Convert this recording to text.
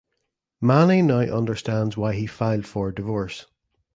Mani now understands why he filed for divorce.